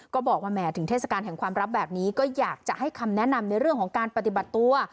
ก็บอกว่าแหมถึงเทศกาลแห่งความรักแบบนี้ก็อยากจะให้คำแนะนำในเรื่องของการปฏิบัติตัว